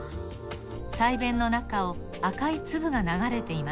鰓弁の中を赤いつぶがながれています。